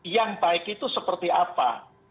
yang baik itu seperti apa